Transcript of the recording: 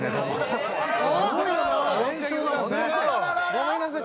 ごめんなさい。